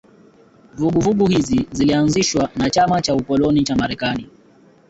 Vuguvugu hizi zilianzishwa na chama cha ukoloni cha Marekani